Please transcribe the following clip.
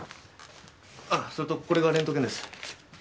あっそれとこれがレントゲンです。